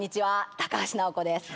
高橋尚子です。